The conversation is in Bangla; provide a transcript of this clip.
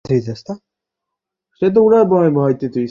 আচ্ছা শুনো, কালকে কারওয়াচত।